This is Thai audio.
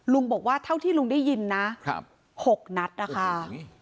ลุงบอกว่าเท่าที่ลุงได้ยินนะ๖นัดนะคะ